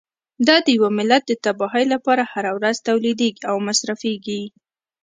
دا د یوه ملت د تباهۍ لپاره هره ورځ تولیدیږي او مصرفیږي.